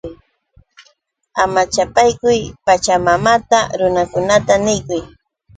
¡Amachapaakuy Pachamamata! Runakunata niykuy.